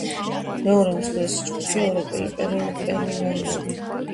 მეორე უმსხვილესი ჯგუფია ევროპელი პერუელები.